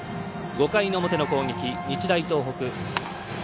５回の表の攻撃、日大東北。